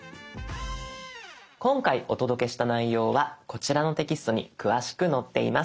今回お届けした内容はこちらのテキストに詳しく載っています。